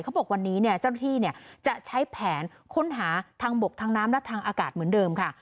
เขาบอกวันนี้เจ้าหน้าที่จะใช้แผนค้นหาทางบกทางน้ำและทางอากาศเหมือนเดิมค่ะ